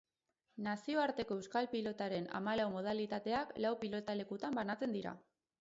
Nazioarteko euskal pilotaren hamalau modalitateak lau pilotalekutan banatzen dira.